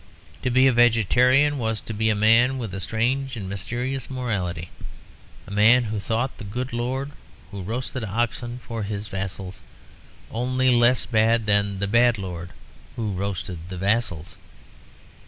To be a Vegetarian was to be a man with a strange and mysterious morality, a man who thought the good lord who roasted oxen for his vassals only less bad than the bad lord who roasted the vassals.